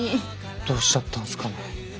どうしちゃったんですかね。